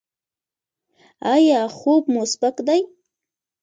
ایا خوب مو سپک دی؟